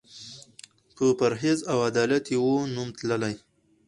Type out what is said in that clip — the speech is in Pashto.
په پرهېز او عدالت یې وو نوم تللی